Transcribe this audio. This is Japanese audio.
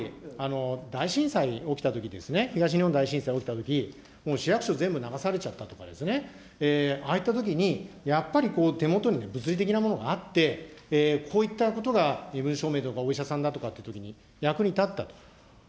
大震災起きたときに、東日本大震災起きたとき、もう市役所全部流されちゃったとか、ああいったときに、やっぱり手元に物理的なものがあって、身分証明だとかお医者さんだとかいうときに役に立ったと。